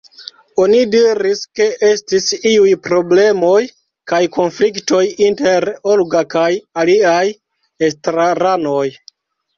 Oni diris ke estis iuj problemoj kaj konfliktoj inter Olga kaj aliaj estraranoj.